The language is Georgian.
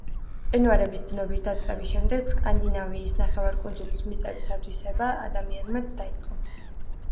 მყინვარების დნობის დაწყების შემდეგ სკანდინავიის ნახევარკუნძულის მიწების ათვისება ადამიანმაც დაიწყო.